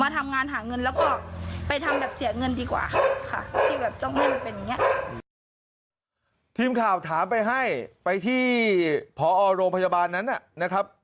ทีมข่าวถามไปให้ไปที่พอโรงพยาบาลนั้นนะครับ